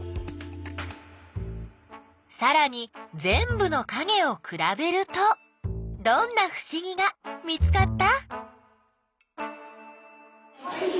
さらにぜんぶのかげをくらべるとどんなふしぎが見つかった？